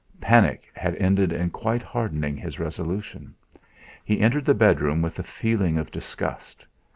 Panic had ended in quite hardening his resolution. He entered the bedroom with a feeling of disgust.